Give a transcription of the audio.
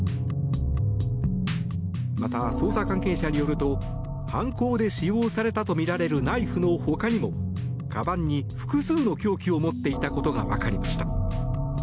また、捜査関係者によると犯行で使用したとみられるナイフのほかにもかばんに複数の凶器を持っていたことがわかりました。